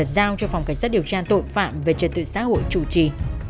giao cho phòng cảnh sát điều tra tội phạm về trật tự xã hội chủ trì